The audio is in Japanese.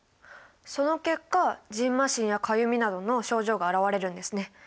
その結果じんましんやかゆみなどの症状が現れるんですね。